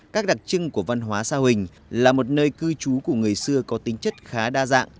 các đặc trưng của văn hóa sa huỳnh là một nơi cư trú của người xưa có tính chất khá đa dạng